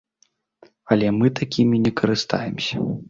Але мы такімі не карыстаемся.